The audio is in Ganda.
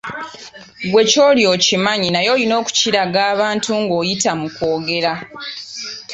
Ggwe ky'oli okimanyi naye olina okukiraga abantu ng'oyita mu kwogera.